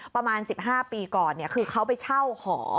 ประมาณ๑๕ปีก่อนคือเขาไปเช่าหอ